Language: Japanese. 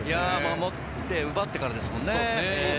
持って、奪ってからですよね。